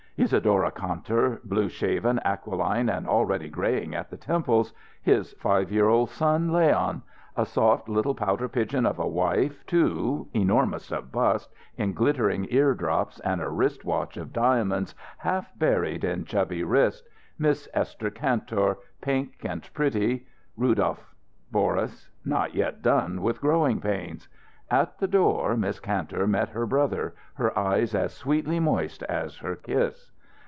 Isadora Kantor, blue shaven, aquiline, and already greying at the temples; his five year old son, Leon; a soft little pouter pigeon of a wife, too, enormous of bust, in glittering ear drops and a wrist watch of diamonds half buried in chubby wrist; Miss Esther Kantor, pink and pretty; Rudolph; Boris, not yet done with growing pains. At the door, Miss Kantor met her brother, her eyes as sweetly moist as her kiss.